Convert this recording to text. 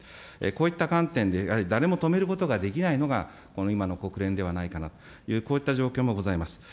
こういった観点で、やはり誰も止めることができないのが、この今の国連ではないかなという、こういった状況もございます。